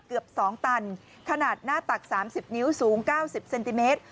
เกือบ๒ตันขนาดหน้าตัก๓๐นิ้วสูง๙๐เซนติเมตร